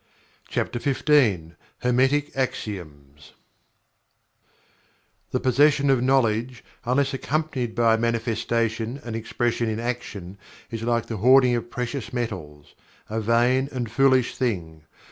CHAPTER XV HERMETIC AXIOMS "The possession of Knowledge, unless accompanied by a manifestation and expression in Action, is like the hoarding of precious metals a vain and foolish thing.